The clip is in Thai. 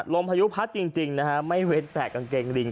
พายุพัดจริงนะฮะไม่เว้นแต่กางเกงลิง